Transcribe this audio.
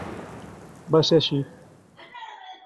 Va ser així.